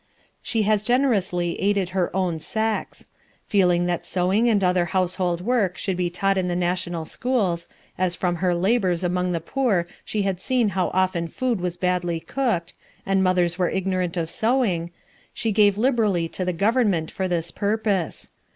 She has generously aided her own sex. Feeling that sewing and other household work should be taught in the national schools, as from her labors among the poor she had seen how often food was badly cooked, and mothers were ignorant of sewing, she gave liberally to the government for this purpose.